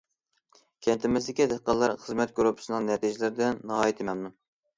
كەنتىمىزدىكى دېھقانلار خىزمەت گۇرۇپپىسىنىڭ نەتىجىلىرىدىن ناھايىتى مەمنۇن.